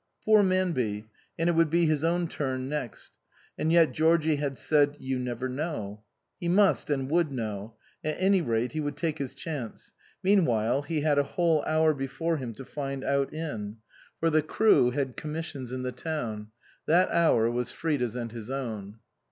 Poor Manby ! And it would be his own turn next. And yet Georgie had said, "You never know.'' He must and would know ; at any rate, he would take his chance. Meanwhile, he had a whole hour before him to find out in, for the crew had 169 THE COSMOPOLITAN commissions in the town. That hour was Frida's and his own.